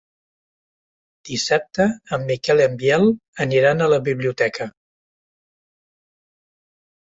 Dissabte en Miquel i en Biel aniran a la biblioteca.